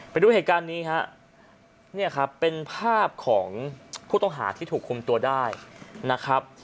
ไปดูเหตุการณ์นี้ฮะเนี่ยครับเป็นภาพของผู้ต้องหาที่ถูกคุมตัวได้นะครับ